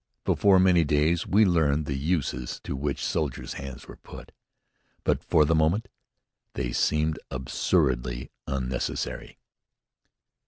Before many days we learned the uses to which soldiers' hands are put. But for the moment they seemed absurdly unnecessary.